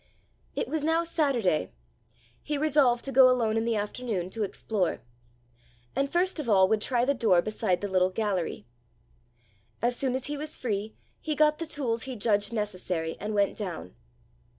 It was now Saturday: he resolved to go alone in the afternoon to explore and first of all would try the door beside the little gallery. As soon as he was free, he got the tools he judged necessary, and went down.